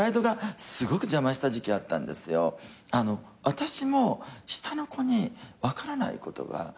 私も下の子に分からないことが。